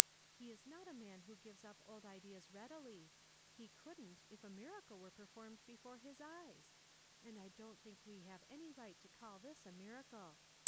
He is not a man who gives up old ideas readily; he couldn't if a miracle were performed before his eyes; and I don't think we have any right to call this a miracle.